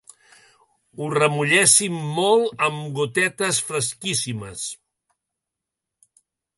Ho remulléssim molt amb gotetes fresquíssimes.